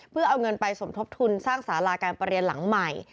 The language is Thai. เพื่อเอาเงินไปสมทบทุนสร้างสาราการประเรียนหลังใหม่